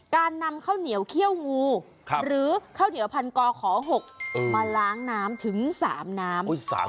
การนำข้าวเหนียวเขี้ยวงูหรือข้าวเหนียวพันกอขอ๖มาล้างน้ำถึง๓น้ำ